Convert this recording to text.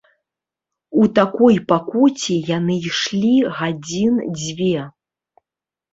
У такой пакуце яны ішлі гадзін дзве.